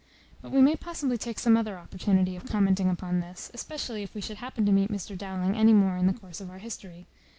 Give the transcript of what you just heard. But we may possibly take some other opportunity of commenting upon this, especially if we should happen to meet Mr Dowling any more in the course of our history.